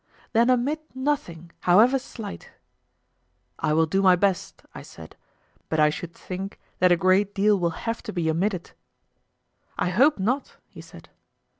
Then omit nothing, however slight. I will do my best, I said; but I should think that a great deal will have to be omitted. I hope not, he said.